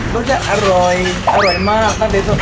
ก็จะอร่อยอร่อยมาก